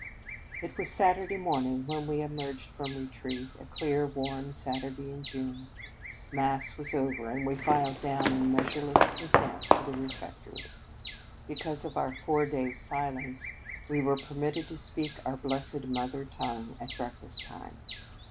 It was Saturday morning when we emerged from retreat, a clear, warm Saturday in June. Mass was over, and we filed down in measureless content to the refectory. Because of our four days silence, we were permitted to speak our blessed mother tongue at breakfast time.